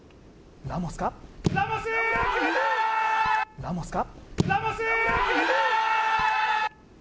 ラモスか？